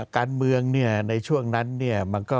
การเมืองในช่วงนั้นเนี่ย